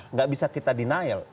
tidak bisa kita denial